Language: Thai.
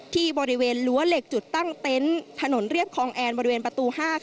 ที่บริเวณรั้วเหล็กจุดตั้งเต็นต์ถนนเรียบคลองแอนบริเวณประตู๕